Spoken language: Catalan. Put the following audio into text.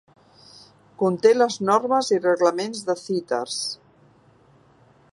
Conté les normes i reglaments de Citars.